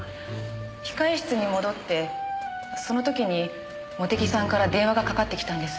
控室に戻ってその時に茂手木さんから電話がかかってきたんです。